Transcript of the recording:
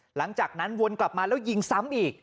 หลังจากนั้นวนกลับมาแล้วยิงซ้ำอีก